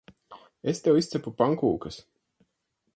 Es tev izcepu pankūkas.